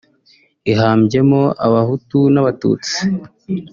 ihambyemo abahutu n’abatutsi